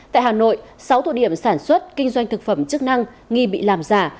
tại hà nội sáu thu điểm sản xuất kinh doanh thực phẩm chức năng nghi bị làm giả